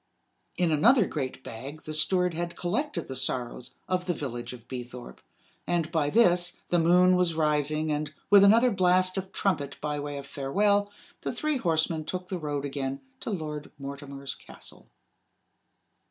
In another great bag the steward had collected the sorrows of the Village of Beethorpe; and, by this, the moon was rising, and, with another blast of trumpet by way of farewell, the three horsemen took the road again to Lord Mortimer's castle.